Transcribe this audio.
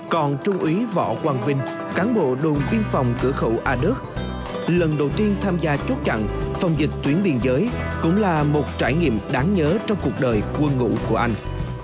còn trung úy võ quang vinh cán bộ đồn biên phòng cửa khẩu a đức lần đầu tiên tham gia chốt chặn phòng dịch tuyến biên giới cũng là một trải nghiệm đáng nhớ trong cuộc đời quân ngũ của anh